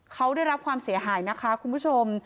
เขาได้รับความเสียหายนะคะคุณผู้ชม